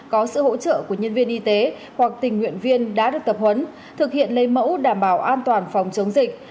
có sự hỗ trợ của nhân viên y tế hoặc tình nguyện viên đã được tập huấn thực hiện lấy mẫu đảm bảo an toàn phòng chống dịch